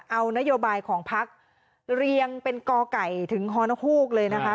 เอานโยบายของพักเรียงเป็นกไก่ถึงฮนฮูกเลยนะคะ